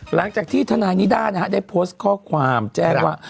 หลังจากที่ทนายนิด้านะฮะได้โพสต์ข้อความแจ้งว่า